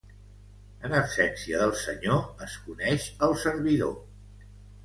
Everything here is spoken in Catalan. En absència del senyor es coneix el servidor.